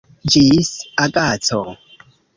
Ĝis agaco.